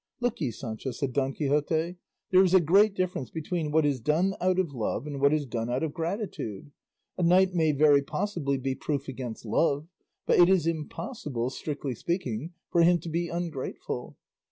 "Look ye, Sancho," said Don Quixote, "there is a great difference between what is done out of love and what is done out of gratitude. A knight may very possibly be proof against love; but it is impossible, strictly speaking, for him to be ungrateful.